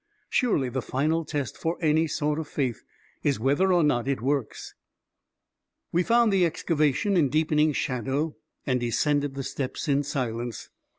Surely, the final test for any sort of faith is whether or not it works ! We found the excavation in deepening shadow and descended the steps in silence.